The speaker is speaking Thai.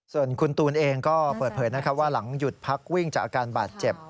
ส่วนคุณตูนเองก็เปิดเผยว่าหลังหยุดพักวิ่งจากอาการบาดเจ็บ